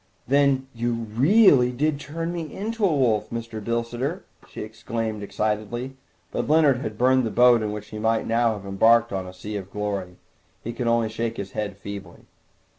"Then you really did turn me into a wolf, Mr. Bilsiter?" she exclaimed excitedly. But Leonard had burned the boat in which he might now have embarked on a sea of glory. He could only shake his head feebly.